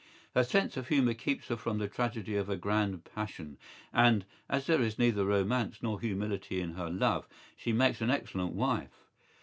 Her sense of humour keeps her from the tragedy of a grande passion, and, as there is neither romance nor humility in her love, she makes an excellent wife.